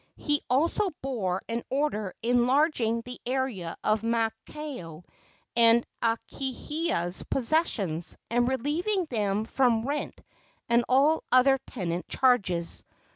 He also bore an order enlarging the area of Maakao and Akahia's possessions, and relieving them from rent and all other tenant charges.